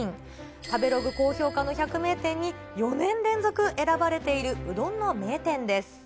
食べログ高評価の百名店に４年連続選ばれているうどんの名店です。